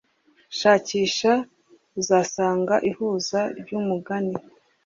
shakisha uzasanga ihuza ryumugani